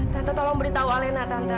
tante tolong beritahu alena tanta